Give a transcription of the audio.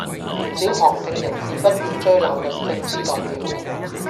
唔少旁聽人士不斷追鬧律政司代表